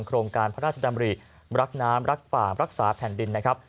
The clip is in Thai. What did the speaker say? โครงการพระราชดำริรักน้ำรักป่ารักษาแผ่นดินนะครับ